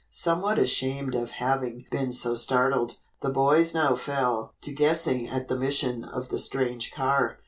Somewhat ashamed of having been so startled, the boys now fell to guessing at the mission of the strange car.